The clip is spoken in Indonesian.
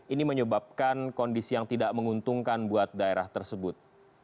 ini menyebabkan kondisi yang tidak menguntungkan buat daerah tersebut